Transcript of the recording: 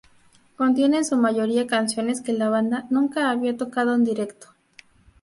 Contiene en su mayoría canciones que la banda nunca había tocado en directo.